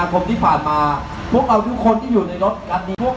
ทำแบบผูกล้าลับสร้างแพลก